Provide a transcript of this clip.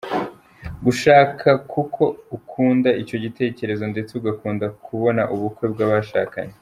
Gushaka kuko ukunda icyo gitekerezo ndetse ugakunda kubona ubukwe bw’abashakanye.